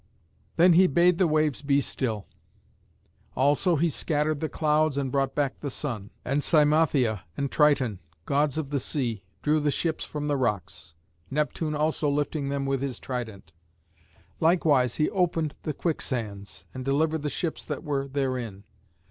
Then he bade the waves be still; also he scattered the clouds and brought back the sun. And Cymothea and Triton, gods of the sea, drew the ships from the rocks, Neptune also lifting them with his trident. Likewise he opened the quicksands, and delivered the ships that were therein.